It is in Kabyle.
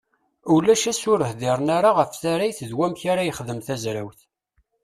Ulac ass ur hdiren ara ɣef tarrayt d wamek ara yexdem tazrawt.